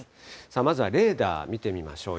まずはレーダー見てみましょう。